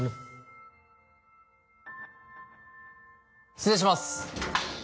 失礼します。